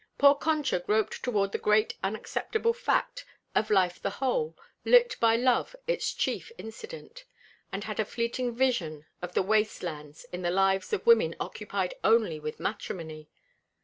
Poor Concha groped toward the great unacceptable fact of life the whole, lit by love its chief incident; and had a fleeting vision of the waste lands in the lives of women occupied only with matrimony.